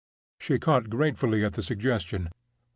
She caught gratefully at the suggestion.